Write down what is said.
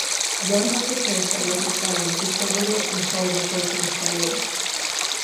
One of the kids that wasn’t playing discovered it and started approaching slowly.